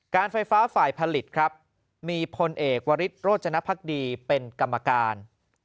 การไฟฟ้าฝ่ายผลิตครับมีพลเอกวริสโรจนภักดีเป็นกรรมการ